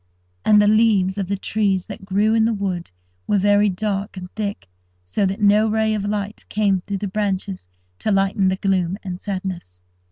And the leaves of the trees that grew in the wood were very dark and thick, so that no ray of light came through the branches to lighten the gloom and sadness.